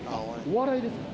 お笑いですか？